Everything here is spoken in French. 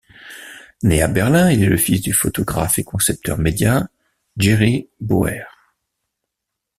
Né à Berlin, il est le fils du photographe et concepteur média Gerry Böer.